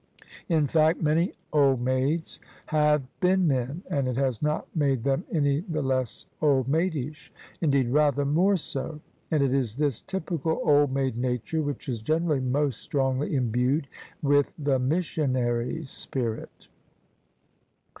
In fact, many old maids have been men, and it has not made them any the less oldmaidish : indeed rather more so. And it is this typical, old maid nature which is generally most strongly imbued with the missionary spirit.